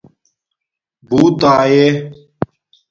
بݸت آئے